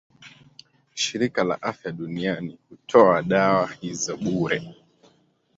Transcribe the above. Shirika la Afya Duniani hutoa dawa hizo bure.